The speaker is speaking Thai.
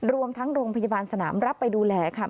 รวมทั้งโรงพยาบาลสนามรับไปดูแลค่ะ